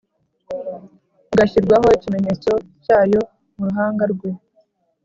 agashyirwaho ikimenyetso cyayo mu ruhanga rwe